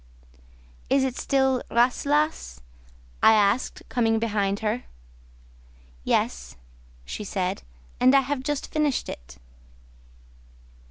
"Is it still 'Rasselas'?" I asked, coming behind her. "Yes," she said, "and I have just finished it."